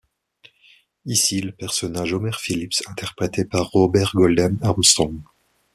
Ici le personnage Homer Phillips interprété par Robert Golden Armstrong.